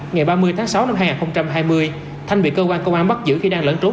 ngày ba mươi tháng sáu năm hai nghìn hai mươi thanh bị cơ quan công an bắt giữ khi đang lẫn trốn